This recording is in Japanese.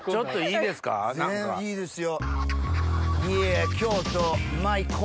いいですよ。